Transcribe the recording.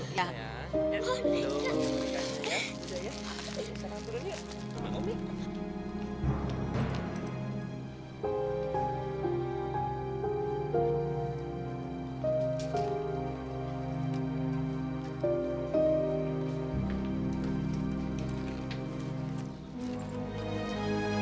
aku sudah mulai udut dvd juga